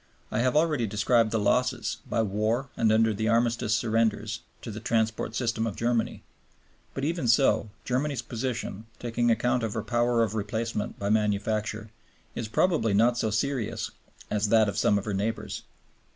I have already described the losses, by war and under the Armistice surrenders, to the transport system of Germany. But even so, Germany's position, taking account of her power of replacement by manufacture, is probably not so serious as that of some of her neighbors.